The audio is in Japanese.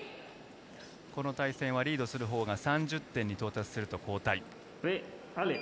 この対戦はリードするほうが３０点に到達すると交代。